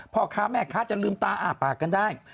พ่อค้าแม่ค้าจะลืมตาอ้าปากกันได้